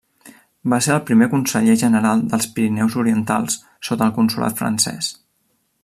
Va ser el primer conseller general dels Pirineus Orientals sota el Consolat francès.